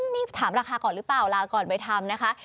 นี่ถามราคาก่อนหรือเปล่าลาก่อนไปทำนะคะ